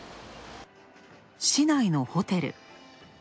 市内のホテル。